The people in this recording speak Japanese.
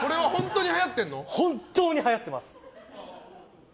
本当にはやってます！